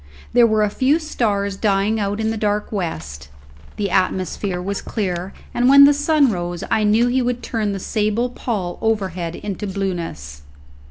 There were a few stars dying out in the dark west; the atmosphere was clear, and when the sun rose I knew he would turn the sable pall overhead into blueness.